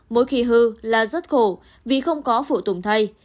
mỗi khi hư là rất khổ vì không có phụ tùng thay